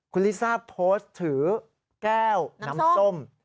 คุณลิซ่าโพสต์ถือแก้วน้ำส้ม